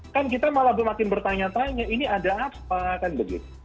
kan kita malah makin bertanya tanya ini ada apa kan begitu